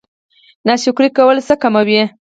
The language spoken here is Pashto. ناشکري کول څه کموي؟